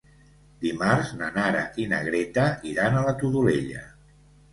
Dimarts na Nara i na Greta iran a la Todolella.